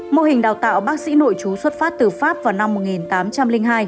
mô hình đào tạo bác sĩ nội chú xuất phát từ pháp vào năm một nghìn tám trăm linh hai